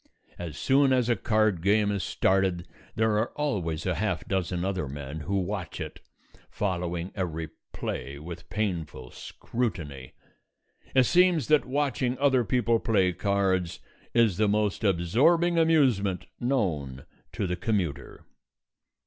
As soon as a card game is started there are always a half dozen other men who watch it, following every play with painful scrutiny. It seems that watching other people play cards is the most absorbing amusement known to the commuter.